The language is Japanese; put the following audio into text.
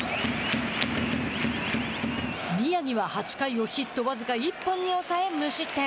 宮城は８回をヒット僅か１本に抑え無失点。